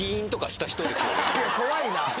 怖いな！